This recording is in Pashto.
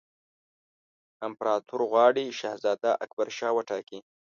امپراطور غواړي شهزاده اکبرشاه وټاکي.